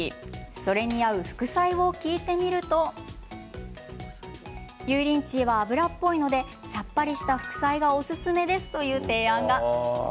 それに合う副菜を聞いてみると油淋鶏は脂っぽいのでさっぱりした副菜がおすすめですという提案が。